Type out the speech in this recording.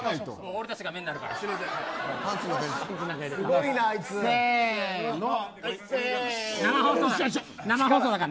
俺たちが目になるから。